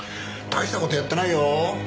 大した事やってないよ。